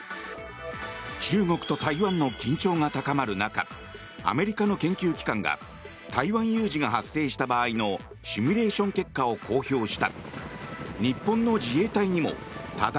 中国と台湾の緊張が高まる中アメリカの研究機関が台湾有事が発生した場合のシミュレーション結果を公表した。